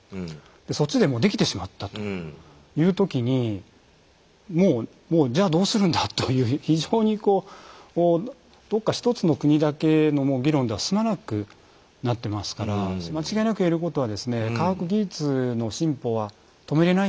そっちでもうできてしまったという時にもうじゃあどうするんだという非常にこうどこか一つの国だけの議論では済まなくなってますから間違いなく言えることはですね科学技術の進歩は止めれないんですね。